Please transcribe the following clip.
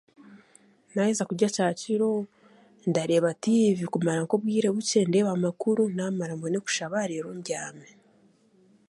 Naaheza kurya kyakiro ndareeba tiivi kumara obwire bukye ndeebe amakuru naamara mbwene kushaba deero mbyame